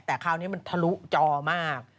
แต่คราวนี้มันทะลุจอมาก